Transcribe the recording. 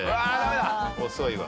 遅いわ。